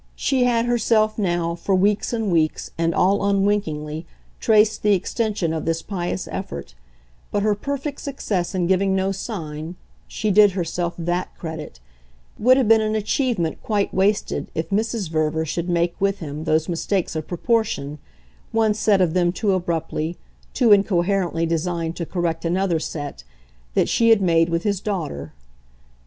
She had herself now, for weeks and weeks, and all unwinkingly, traced the extension of this pious effort; but her perfect success in giving no sign she did herself THAT credit would have been an achievement quite wasted if Mrs. Verver should make with him those mistakes of proportion, one set of them too abruptly, too incoherently designed to correct another set, that she had made with his daughter.